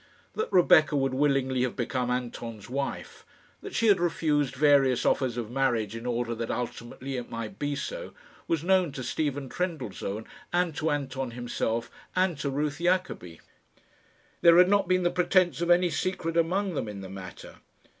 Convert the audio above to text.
That Rebecca would willingly have become Anton's wife, that she had refused various offers of marriage in order that ultimately it might be so, was known to Stephen Trendellsohn, and to Anton himself, and to Ruth Jacobi. There had not been the pretence of any secret among them in the matter.